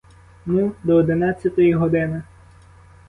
Ну, до одинадцятої години.